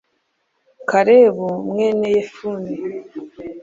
kalebu, mwene yefune